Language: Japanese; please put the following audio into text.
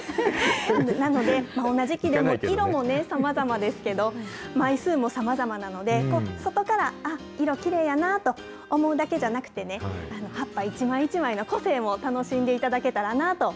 なので、同じ木でも色もさまざまですけど、枚数もさまざまなので、外から、あっ、色きれいやなと思うだけじゃなくてね、葉っぱ一枚一枚の個性も楽しんでいただけた